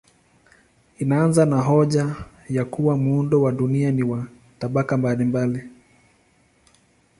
Inaanza na hoja ya kuwa muundo wa dunia ni wa tabaka mbalimbali.